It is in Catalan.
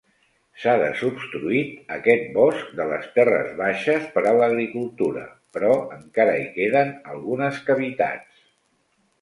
S'ha desobstruït aquests boscs de les terres baixes per a l'agricultura, però encara hi queden algunes cavitats.